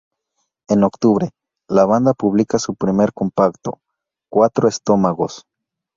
En octubre, la banda publica su primer compacto, "Cuatro estómagos".